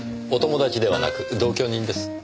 お友達ではなく同居人です。